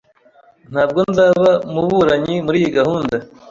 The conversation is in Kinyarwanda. Ntabwo nzaba muburanyi muriyi gahunda.